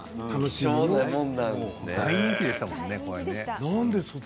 大人気でしたものね。